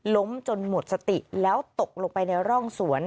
ล้มจนหมดสติแล้วตกลงไปในร่องสวน